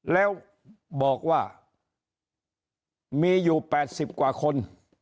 แล้วบอกว่ามีอยู่๘๐กว่าคน